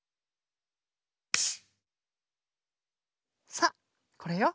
さあこれよ。